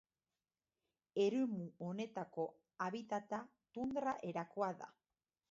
Eremu honetako habitata tundra erakoa da.